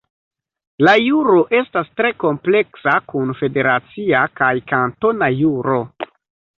La juro estas tre kompleksa kun federacia kaj kantona juro.